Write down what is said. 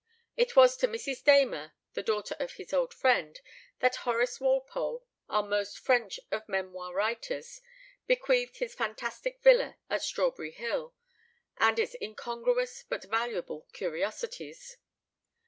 It was to Mrs. Damer (the daughter of his old friend) that Horace Walpole, our most French of memoir writers, bequeathed his fantastic villa at Strawberry Hill, and its incongruous but valuable curiosities.